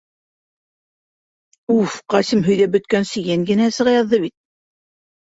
Уф, Ҡасим һөйҙәп бөткәнсе йәнгенәһе сыға яҙҙы бит.